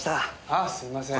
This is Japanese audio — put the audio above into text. あっすいません。